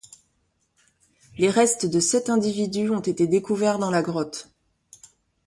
Les restes de sept individus ont été découverts dans la grotte.